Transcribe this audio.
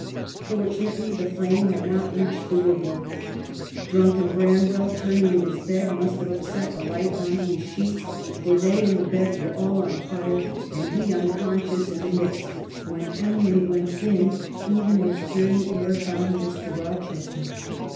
Fortunately the flame had not reached the wood work : drunken Branwell, turning in his bed, must have upset the light on to his sheets, for they and the bed were all on fire, and he uncon scious in the midst when Emily went in, even as Jane Eyre found Mr. Rochester.